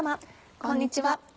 こんにちは。